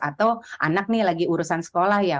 atau anak nih lagi urusan sekolah ya